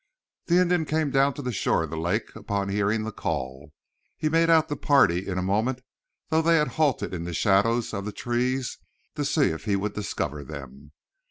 The Indian came down to the shore of the lake upon hearing the call. He made out the party in a moment, though they had halted in the shadows of the trees to see if he would discover them.